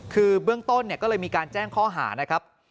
คือเบื้องต้นเนี่ยก็เลยมีการแจ้งข้อหานะครับ